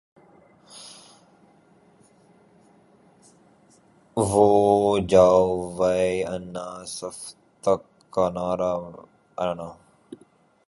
جوں جوں ویب اپنانا سفر طے کرنا رہنا ہونا ہَر چیز میں جدت آنا جارہی ہونا